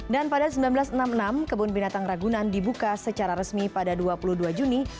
dan pada seribu sembilan ratus enam puluh enam kebun binatang ragunan dibuka secara resmi pada dua puluh dua juni